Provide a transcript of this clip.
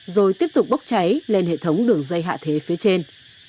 rồi tiếp tục bốc cháy lên hệ thống đường dây hạ thế phía trên